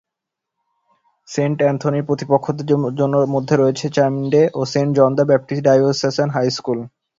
Saint অ্যান্থনির প্রতিপক্ষদের মধ্যে রয়েছে চ্যামিনডে এবং Saint John the Baptist diocesan high school.